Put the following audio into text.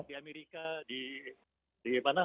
di amerika di mana